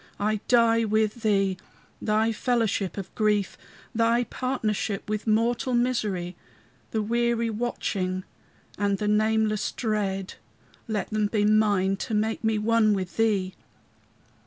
I die with thee: thy fellowship of grief, Thy partnership with mortal misery, The weary watching and the nameless dread, Let them be mine to make me one with thee.